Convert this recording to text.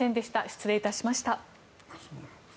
失礼いたしました。